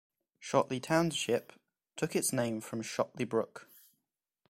Shotley Township took its name from Shotley Brook.